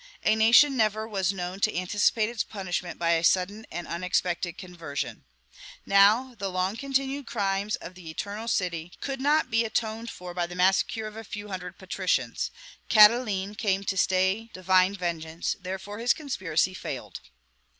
A nation never was known to anticipate its punishment by a sudden and unexpected conversion. Now, the long continued crimes of the Eternal City could not be atoned for by the massacre of a few hundred patricians. Catiline came to stay divine vengeance; therefore his conspiracy failed.